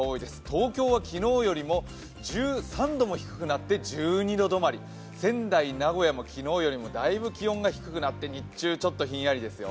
東京は昨日よりも１３度も低くなって１２度止まり、仙台、名古屋も昨日よりだいぶ気温が低くなって日中ちょっとひんやりですよ。